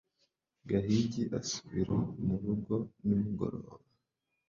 gahigi asubira mu rugo nimugoroba